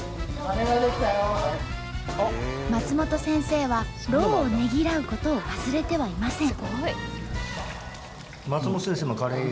松本先生は労をねぎらうことを忘れてはいません。